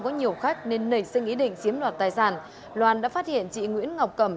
có nhiều khách nên nảy sinh ý định chiếm đoạt tài sản loan đã phát hiện chị nguyễn ngọc cẩm